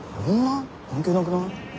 関係なくない？